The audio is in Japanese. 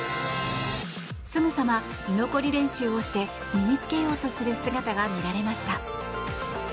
すぐさま居残り練習をして身につけようとする姿が見られました。